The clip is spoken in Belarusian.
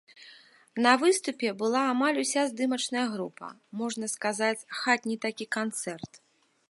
На выступе была амаль уся здымачная група, можна сказаць, хатні такі канцэрт.